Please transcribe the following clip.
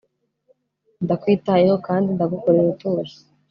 Ndakwitayeho kandi ndagukorera utuje